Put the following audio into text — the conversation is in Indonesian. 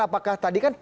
apakah tadi kan